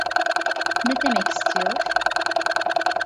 Ne demek istiyor?